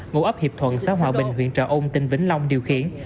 ngộ ấp hiệp thuận xã hòa bình huyện trợ âu tỉnh vĩnh long điều khiển